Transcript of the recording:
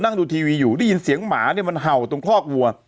ดูทีวีอยู่ได้ยินเสียงหมาเนี่ยมันเห่าตรงคอกวัว